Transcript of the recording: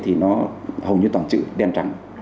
thì nó hầu như toàn chữ đen trắng